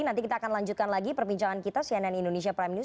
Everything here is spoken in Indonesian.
nanti kita akan lanjutkan lagi perbincangan kita cnn indonesia prime news